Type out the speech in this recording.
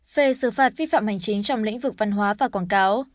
về xử phạt vi phạm hành chính trong lĩnh vực văn hóa và quảng cáo